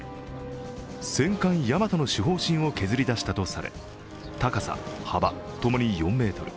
戦艦「大和」の主砲身を削り出したとされ、高さ、幅、ともに４ｍ。